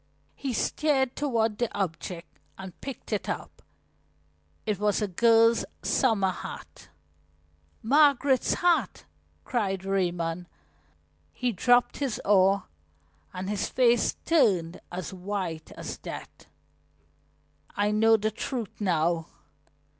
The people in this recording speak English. He steered toward the object and picked it up. It was a girl's summer hat. "Margaret's hat!" cried Raymond. He dropped his oar and his face turned as white as death. "I know the truth now!